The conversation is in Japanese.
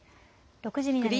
６時になりました。